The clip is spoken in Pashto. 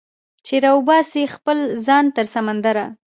چې راوباسي خپل ځان تر سمندره